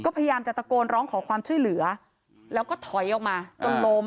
ก็พยายามจะตะโกนร้องขอความช่วยเหลือแล้วก็ถอยออกมาจนล้ม